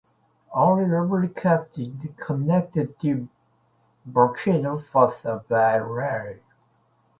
Only Ivory Coast is connected to Burkina Faso by rail.